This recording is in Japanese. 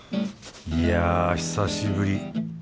いや久しぶり。